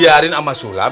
ya biar aku elah